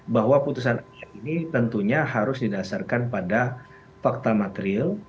bahwa putusan akhir ini tentunya harus didasarkan pada fakta material